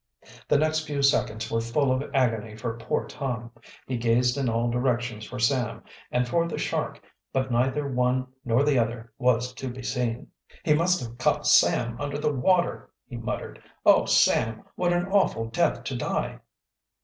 The next few seconds were full of agony for poor Tom. He gazed in all directions for Sam, and for the shark, but neither one nor the other was to be seen. "He must have caught Sam under the water!" he muttered. "Oh, Sam, what an awful death to die!"